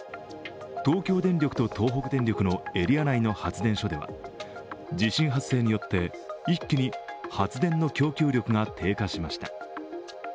東京電力と東北電力のエリア内の発電所では地震発生によって一気に発電の供給力が低下しました。